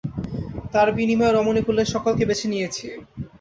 তার বিনিময়ে রমণীকুলের সকলকে বেছে নিয়েছি।